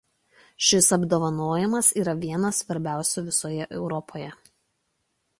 Šis apdovanojimas yra vienas svarbiausių visoje Europoje.